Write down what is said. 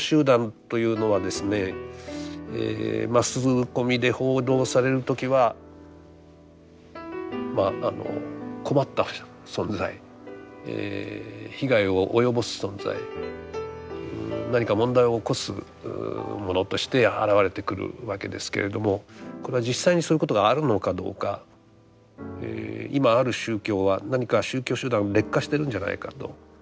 マスコミで報道される時はまああの困った存在被害を及ぼす存在何か問題を起こすものとして現れてくるわけですけれどもこれは実際にそういうことがあるのかどうか今ある宗教は何か宗教集団劣化しているんじゃないかと。